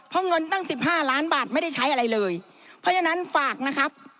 เพราะเงินตั้งสิบห้าล้านบาทไม่ได้ใช้อะไรเลยเพราะฉะนั้นฝากนะครับ